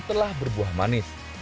telah berbuah manis